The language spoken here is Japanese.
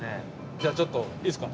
じゃあちょっといいですか？